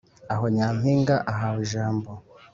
aho nyampinga ahawe ijambo